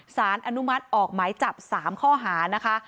สารอนุมัติออกหมายจับ๓ข้อหานะคะ